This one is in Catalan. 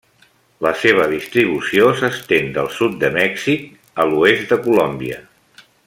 La seva distribució s'estén del sud de Mèxic a l'oest de Colòmbia.